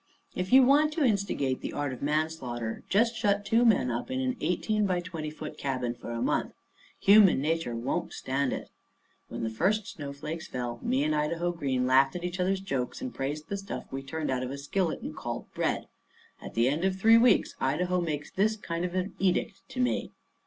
If you want to instigate the art of manslaughter just shut two men up in a eighteen by twenty foot cabin for a month. Human nature won't stand it. When the first snowflakes fell me and Idaho Green laughed at each other's jokes and praised the stuff we turned out of a skillet and called bread. At the end of three weeks Idaho makes this kind of a edict to me.